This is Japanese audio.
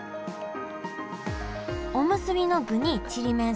おむすびの具にちりめん